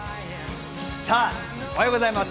おはようございます。